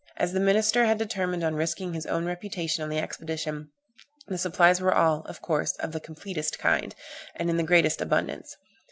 As the minister had determined on risking his own reputation on the expedition, the supplies were all, of course, of the completest kind, and in the greatest abundance.